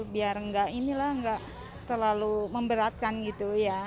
biar nggak ini lah nggak terlalu memberatkan gitu ya